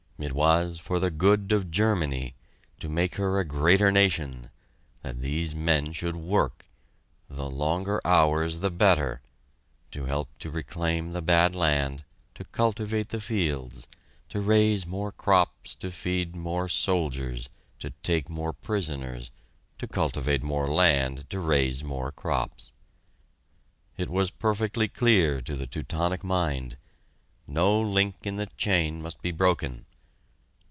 It was for the good of Germany to make her a greater nation that these men should work the longer hours the better to help to reclaim the bad land, to cultivate the fields, to raise more crops to feed more soldiers to take more prisoners to cultivate more land to raise more crops. It was perfectly clear to the Teutonic mind. No link in the chain must be broken.